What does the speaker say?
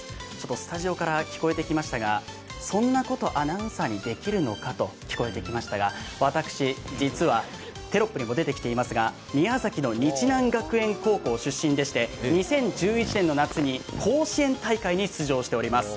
スタジオから聞こえてきましたがそんなことアナウンサーにできるのか？と聞こえてきましたが私、実は、宮崎の日南学園高校の卒業でして２０１１年の夏に甲子園大会に出場しております。